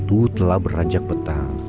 bapak telah beranjak petang